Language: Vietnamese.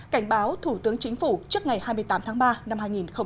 cảnh báo thủ tướng chính phủ trước ngày hai mươi tám tháng ba năm hai nghìn hai mươi